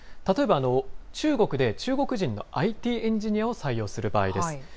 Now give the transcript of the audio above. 例えば、中国で中国人のＩＴエンジニアを採用する場合です。